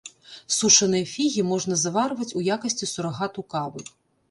Сушаныя фігі можна заварваць у якасці сурагату кавы.